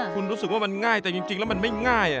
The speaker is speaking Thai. คุณรู้สึกว่ามันง่ายแต่จริงแล้วมันไม่ง่าย